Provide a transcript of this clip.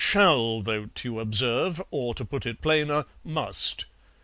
Shall vote, you observe; or, to put it plainer, must.